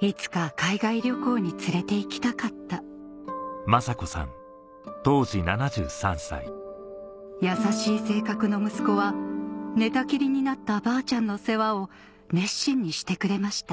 いつか海外旅行に連れていきたかった優しい性格の息子は寝たきりになったばあちゃんの世話を熱心にしてくれました